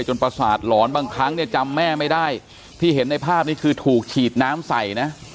ประสาทหลอนบางครั้งเนี่ยจำแม่ไม่ได้ที่เห็นในภาพนี้คือถูกฉีดน้ำใส่นะ